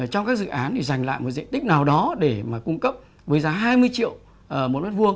trong các dự án thì dành lại một diện tích nào đó để mà cung cấp với giá hai mươi triệu một m hai